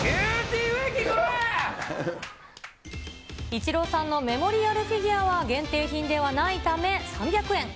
イチローさんのメモリアルフィギュアは限定品ではないため、３００円。